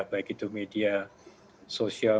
baik itu media sosial